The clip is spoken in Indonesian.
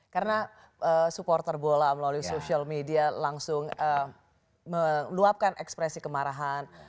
karena supporter bola melalui social media langsung meluapkan ekspresi kemarahan